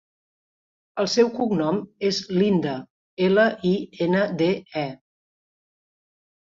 El seu cognom és Linde: ela, i, ena, de, e.